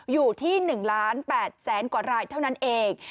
อยู่ที่๑ล้าน๘แสนกว่ารายเท่านั้นเอง